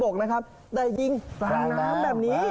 ไม่ได้ยิงบวงบกแต่ยิงข้างน้ำแบบนี้